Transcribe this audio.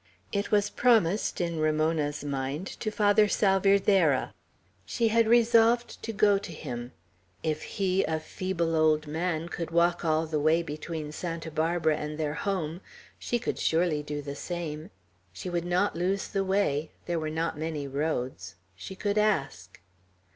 It was promised, in Ramona's mind, to Father Salvierderra. She had resolved to go to him; if he, a feeble old man, could walk all the way between Santa Barbara and their home, she could surely do the same. She would not lose the way. There were not many roads; she could ask.